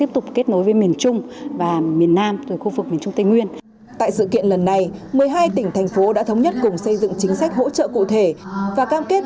tại sự kiện lần này một mươi hai tỉnh thành phố đã thống nhất cùng xây dựng chính sách hỗ trợ cụ thể và cam kết